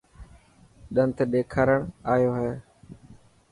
ڏنت ڏيکارڻ ايو هي.